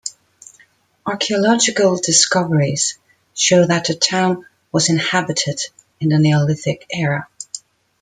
Archaeological discoveries show that the town was inhabited in the Neolithic era.